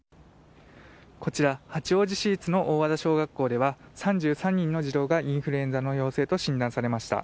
こちら、八王子市立の大和田小学校では３３人の児童がインフルエンザの陽性と診断されました。